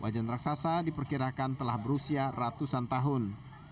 wajan raksasa diperkirakan telah berusia ratusan tahun